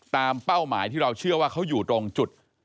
เป้าหมายที่เราเชื่อว่าเขาอยู่ตรงจุด